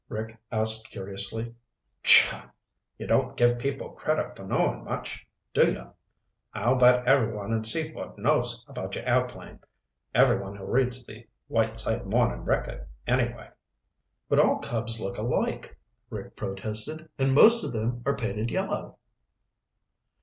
Rick asked curiously. "Pshaw! You don't give people credit for knowing much, do you? I'll bet everyone in Seaford knows about your airplane. Everyone who reads the Whiteside Morning Record, anyway." "But all Cubs look alike," Rick protested, "and most of them are painted yellow."